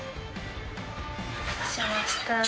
お待たせしました。